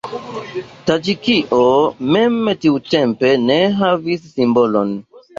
Taĝikio mem tiutempe ne havis simbolon.